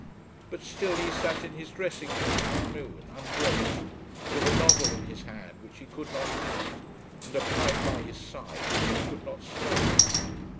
But still he sat in his dressing gown at noon, unbraced, with a novel in his hand which he could not read, and a pipe by his side which he could not smoke.